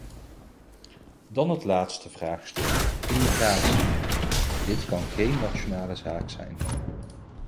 Dan het laatste vraagstuk, immigratie: dit kan geen nationale zaak zijn.